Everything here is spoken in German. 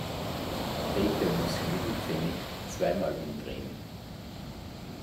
Grete muss jeden Pfennig zweimal umdrehen.